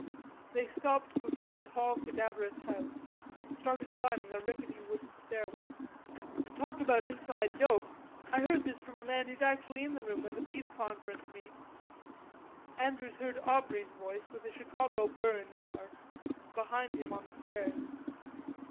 They stopped before a tall cadaverous house and started climbing a rickety wooden stairway. "Talk about inside dope.... I got this from a man who's actually in the room when the Peace Conference meets." Andrews heard Aubrey's voice with a Chicago burr in the r's behind him in the stairs.